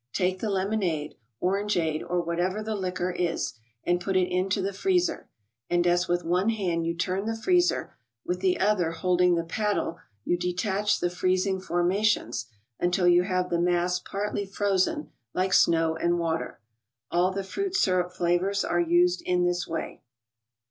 Take the lemonade, orangeade, or whatever the liquor is, and put it into the freezer; and as with one hand you turn the freezer, with the other hold¬ ing the paddle you detach the freezing formations, until you have the mass partly frozen, like snow and water. All the fruit syrup flavors are used in this way.